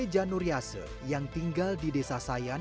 imade jan nuryase yang tinggal di desa sayan